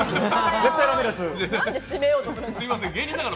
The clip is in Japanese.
絶対だめです。